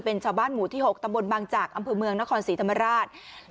เป็นชาวบ้านหมู่ที่๖ตำบลบางจากอำเภอเมืองนครศรีธรรมราช